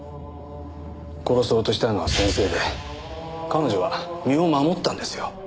殺そうとしたのは先生で彼女は身を守ったんですよ。